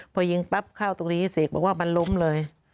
พอยิงปั๊บเข้าตรงนี้เสกบอกว่ามันล้มเลย